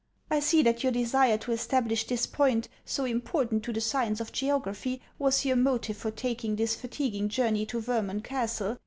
I see that your desire to establish this point, so important to the science of geography, was your motive for taking this fatiguing journey to Vermund castle.